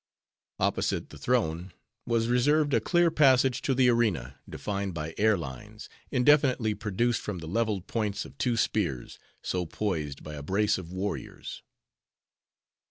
Opposite the throne, was reserved a clear passage to the arena, defined by air lines, indefinitely produced from the leveled points of two spears, so poised by a brace of warriors.